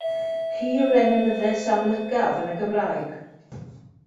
Hi yw'r emynyddes amlycaf yn y Gymraeg.